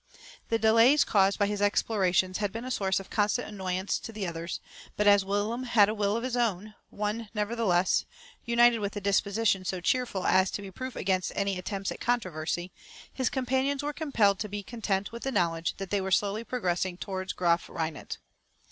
The delays caused by his explorations had been a source of constant annoyance to the others; but as Willem had a will of his own, one, nevertheless, united with a disposition so cheerful as to be proof against any attempts at a controversy, his companions were compelled to be content with the knowledge that they were slowly progressing towards Graaf Reinet.